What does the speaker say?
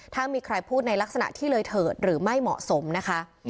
ถ้ามีใครพูดในลักษณะที่เลยเถิดหรือไม่เหมาะสมนะคะ